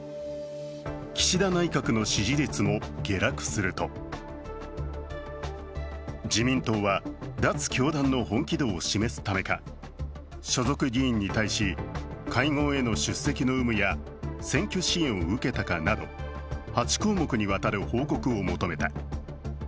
岸田内閣の支持率も下落すると自民党は脱・教団の本気度を示すためか、所属議員に対し、会合への出席の有無や選挙支援を受けたかなど、８項目にわたる報告を求めた。